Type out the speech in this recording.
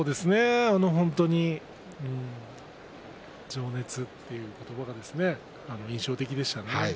本当に情熱という言葉が印象的でした。